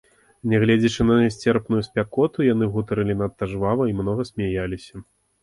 Нягледзячы на нясцерпную спякоту, яны гутарылі надта жвава і многа смяяліся.